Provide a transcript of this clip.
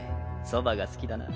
そばが好きだな。